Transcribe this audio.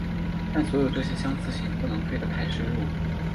但所有这些相似性不能推得太深入。